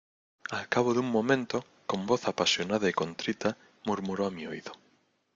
al cabo de un momento, con voz apasionada y contrita , murmuró a mi oído: